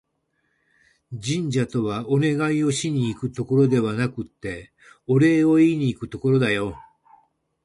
神社とは、お願いをしに行くところではなくて、お礼を言いにいくところだよ